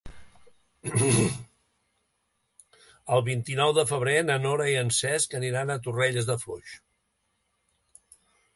El vint-i-nou de febrer na Nora i en Cesc aniran a Torrelles de Foix.